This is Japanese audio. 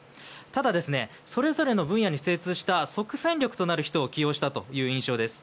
ただ、それぞれの分野に精通した即戦力になる人を起用したという印象です。